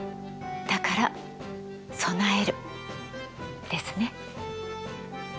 だから備えるですね。